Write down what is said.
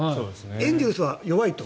エンゼルスは弱いと。